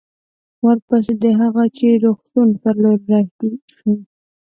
ورپسې د هه چه روغتون پر لور رهي شوو.